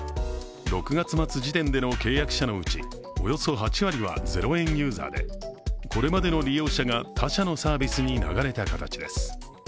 ６月末時点での契約者のうちおよそ８割は０円ユーザーで、これまでの利用者が他社のサービスに流れた形です。